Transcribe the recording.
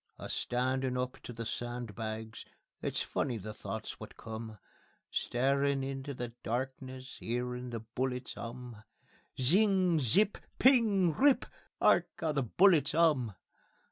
A standin' up to the sandbags It's funny the thoughts wot come; Starin' into the darkness, 'Earin' the bullets 'um; _(ZING! ZIP! PING! RIP! 'ARK 'OW THE BULLETS 'UM!)